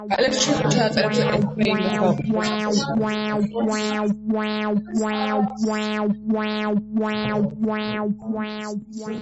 შემდგომში სწორედ ფრანსუაზი ზრდიდა ფრანსუასა და მის დაობლებულ ძმას.